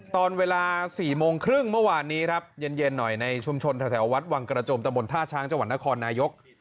ตอนเวลา๑๖๓๐นธุระวันนี้เย็นหน่อยในชุมชนแถววัดวังกระจมตะหมดท่าช้างจะหวัดนครนายก